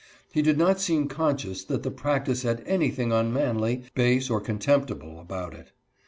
He did not seem conscious that the practice had anything unmanly, base or contemptible about it.